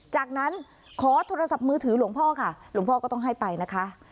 จากนั้นขอโทรศัพท์มือถือหลวงพ่อค่ะหลวงพ่อก็ต้องให้ไปนะคะ